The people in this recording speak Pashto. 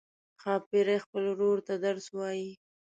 ښاپیرۍ خپل ورور ته درس وايي.